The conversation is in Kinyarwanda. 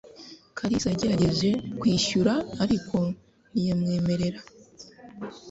Kalisa yagerageje kwishyura, ariko ntiyamwemerera.